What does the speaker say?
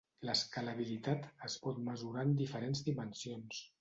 L'escalabilitat es pot mesurar en diferents dimensions.